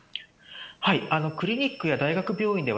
クリニックや大学病院で、